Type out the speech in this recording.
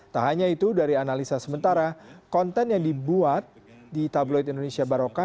tak hanya itu dari analisa sementara konten yang dibuat di tabloid indonesia baroka